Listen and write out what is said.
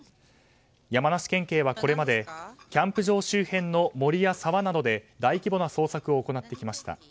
山梨県警はこれまでキャンプ場周辺の森や沢などで大規模な捜索を行ってきました。